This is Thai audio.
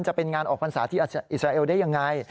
จะเป็นงานออกพรรษาที่อิสราเอลได้ยังไง